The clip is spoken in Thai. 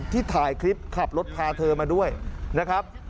ถ่ายคลิปขับรถพาเธอมาด้วยนะครับ